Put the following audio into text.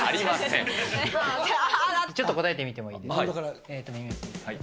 ちょっと答えてみてもいいではい。